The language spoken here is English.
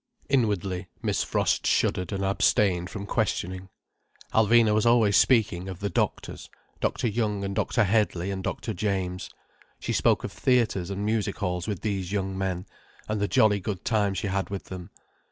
Inwardly, Miss Frost shuddered, and abstained from questioning. Alvina was always speaking of the doctors: Doctor Young and Doctor Headley and Doctor James. She spoke of theatres and music halls with these young men, and the jolly good time she had with them.